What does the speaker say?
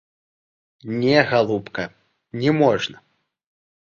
Не, галубка, не можна!